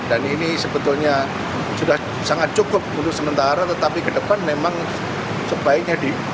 dan ini sebetulnya sudah sangat cukup untuk sementara tetapi ke depan memang sebaiknya